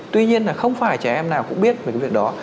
tuy nhiên là không phải trẻ em nào cũng biết về cái việc đó